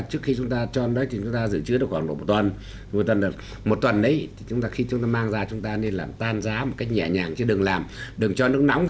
trước khi chúng ta cho nó đó thì chúng ta giữ chữ khoảng một tuần một tuần đấy thì chúng ta khi chúng ta mang ra chúng ta nên làm tan giá một cách nhẹ nhàng chứ đừng làm đừng cho nước nóng